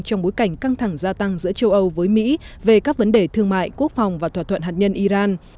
trong bối cảnh căng thẳng gia tăng giữa châu âu với mỹ về các vấn đề thương mại quốc phòng và thỏa thuận hạt nhân iran